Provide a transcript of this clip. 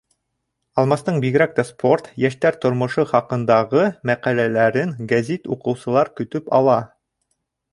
Алмастың бигерәк тә спорт, йәштәр тормошо хаҡындағы мәҡәләләрен гәзит уҡыусылар көтөп ала.